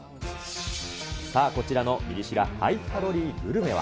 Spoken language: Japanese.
さあこちらのミリ知らハイカロリーグルメは。